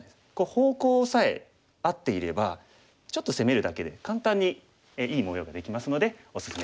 方向さえ合っていればちょっと攻めるだけで簡単にいい模様ができますのでおすすめです。